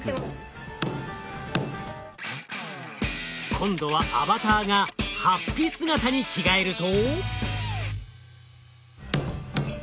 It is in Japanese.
今度はアバターがはっぴ姿に着替えると？